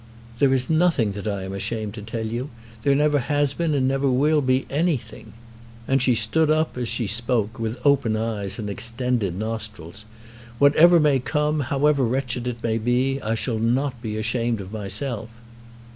"There is nothing that I am ashamed to tell you. There never has been and never will be anything." And she stood up as she spoke, with open eyes and extended nostrils. "Whatever may come, however wretched it may be, I shall not be ashamed of myself."